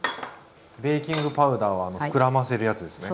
ベーキングパウダーは膨らませるやつですね。